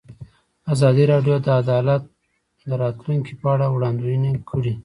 ازادي راډیو د عدالت د راتلونکې په اړه وړاندوینې کړې.